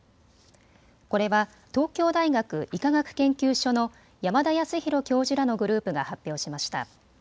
これは東京大学医科学研究所の山田泰広教授らのグループが発表しました。